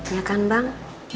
ya kan bang